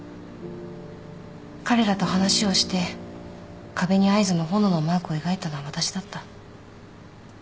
彼らと話をして壁に合図の炎のマークを描いたのは私だった。